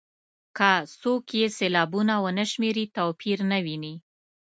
که څوک یې سېلابونه ونه شمېري توپیر نه ویني.